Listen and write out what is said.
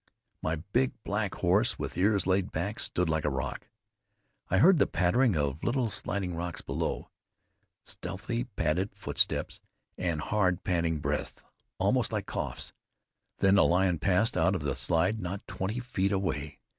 My big black horse with ears laid back stood like a rock. I heard the pattering of little sliding rocks below; stealthy padded footsteps and hard panting breaths, almost like coughs; then the lion passed out of the slide not twenty feet away.